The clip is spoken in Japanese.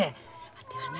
わてはな